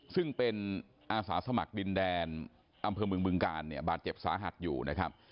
ซึ่งเป็นอาสาสมัครดินแดนอำเภอเมืองบึงกาลเนี่ยบาดเจ็บสาหัสอยู่นะครับ